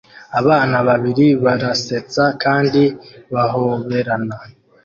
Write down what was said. Abana babiri barasetsa kandi bahoberana